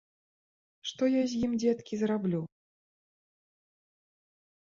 Што я з ім, дзеткі, зраблю?